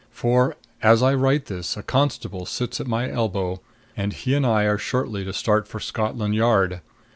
For, as I write this, a constable sits at my elbow, and he and I are shortly to start for Scotland Yard.